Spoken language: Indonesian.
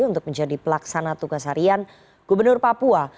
untuk menjadi pelaksana tugas harian gubernur papua